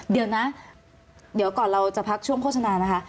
เดี๋ยวนะเดี๋ยวก่อนเราจะพักช่วงโฆษณานะคะ